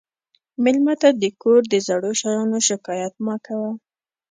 مېلمه ته د کور د زړو شیانو شکایت مه کوه.